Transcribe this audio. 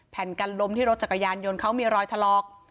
แผ่นกันลมที่รถจักรยานยนต์เขามีรอยถลอก